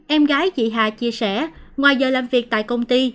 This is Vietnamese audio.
em gái chị hà chia sẻ ngoài giờ làm việc tại công ty